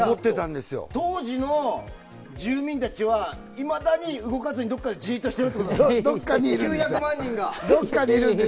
当時の住民たちはいまだに動かずにじっとしているということですよね。